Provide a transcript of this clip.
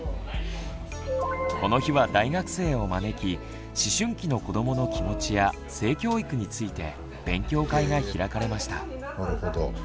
この日は大学生を招き思春期の子どもの気持ちや性教育について勉強会が開かれました。